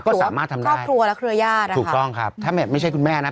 ก็สามารถทำได้ครอบครัวและเครือญาตินะคะถูกต้องครับถ้าไม่ใช่คุณแม่นะ